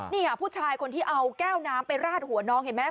นี่ค่ะผู้ชายคนที่เอาแก้วน้ำไปราดหัวน้องเห็นไหม